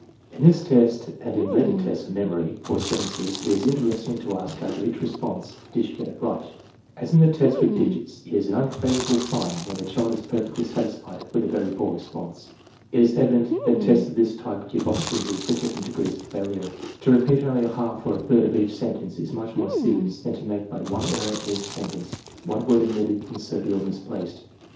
In this test and in later tests of memory for sentences, it is interesting to ask after each response: " Did you get it right? " As in the tests with digits, it is an unfavorable sign when the child is perfectly satisfied with a very poor response. It is evident that tests of this type give opportunity for different degrees of failure. To repeat only a half or a third of each sentence is much more serious than to make but one error in each sentence (one word omitted, inserted, or misplaced).